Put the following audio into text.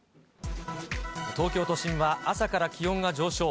東京都心は朝から気温が上昇。